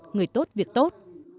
người tốt việc tốt